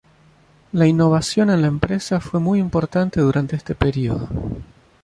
La innovación en la empresa fue muy importante durante este período.